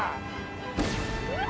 うわ！